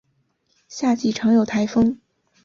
夏季常有台风。